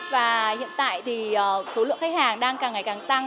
và hiện tại thì số lượng khách hàng đang càng ngày càng tăng